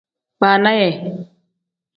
Baana yee.